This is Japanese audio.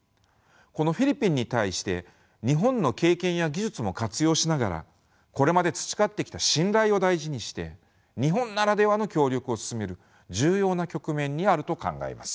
このフィリピンに対して日本の経験や技術も活用しながらこれまで培ってきた信頼を大事にして日本ならではの協力を進める重要な局面にあると考えます。